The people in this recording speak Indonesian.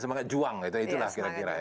semangat juang itu lah kira kira